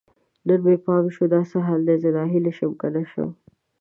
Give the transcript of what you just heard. نن مې پام شو، دا څه حال دی؟ زه ناهیلی شم که نه شم